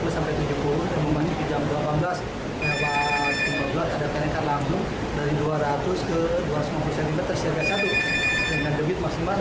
empat empat puluh sampai tujuh kemudian jam delapan belas kemudian jam lima belas ada perengkat langsung dari dua ratus ke dua ratus lima puluh cm siaga satu